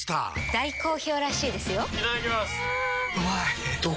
大好評らしいですよんうまい！